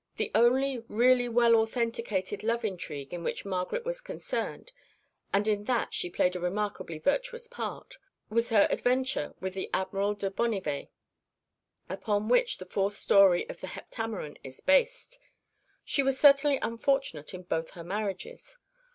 The only really well authenticated love intrigue in which Margaret was concerned and in that she played a remarkably virtuous part was her adventure with the Admiral de Bonnivet, upon which the fourth story of the Heptameron is based. (1) She was certainly unfortunate in both her marriages.